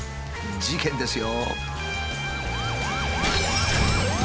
事件ですよ。